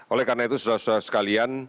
oleh karena itu saudara saudara sekalian